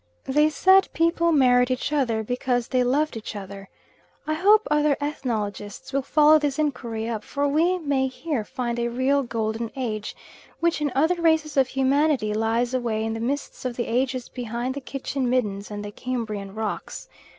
They said people married each other because they loved each other. I hope other ethnologists will follow this inquiry up, for we may here find a real golden age, which in other races of humanity lies away in the mists of the ages behind the kitchen middens and the Cambrian rocks.